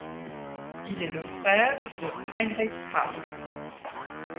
Il est le frère de Heinrich Hart.